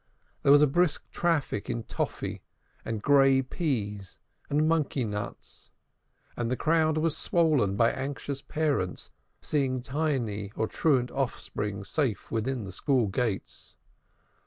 There was brisk traffic in toffy, and gray peas and monkey nuts, and the crowd was swollen by anxious parents seeing tiny or truant offspring safe within the school gates.